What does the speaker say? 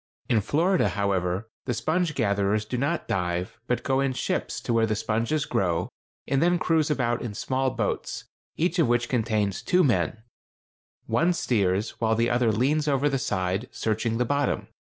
In Florida, however, the sponge gatherers do not dive, but go in ships to where the sponges grow, and then cruise about in small boats, each of which contains two men: one steers, while the other leans over the side searching the bottom.